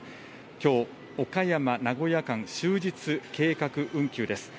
きょう岡山・名古屋間、終日計画運休です。